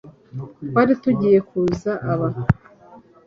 twari tugiye kuza aba